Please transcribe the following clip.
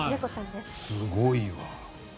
すごいわ。